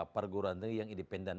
perguruan tinggi yang independen